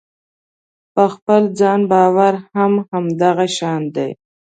په خپل ځان باور هم همدغه شان دی.